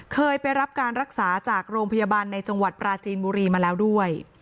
เคยไปรับการรักษาจากโรงพยาบาลในจังหวัดปราจีนบุรีมาแล้วด้วย